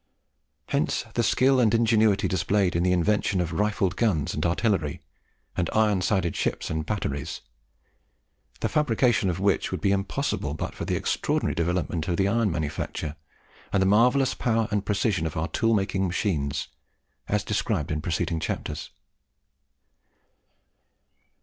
Hence the skill and ingenuity displayed in the invention of rifled guns and artillery, and iron sided ships and batteries, the fabrication of which would be impossible but for the extraordinary development of the iron manufacture, and the marvellous power and precision of our tool making machines, as described in preceding chapters.